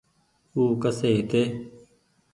او ڪسي هيتي ۔